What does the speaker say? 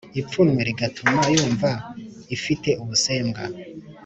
ipfunwe rigatuma yumva ifite ubusembwa